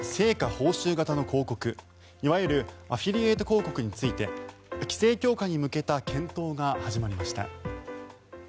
報酬型の広告いわゆるアフィリエイト広告について規制強化に向けた検討が始まりました。